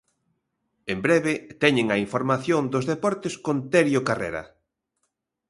En breve teñen a información dos deportes con Terio Carrera.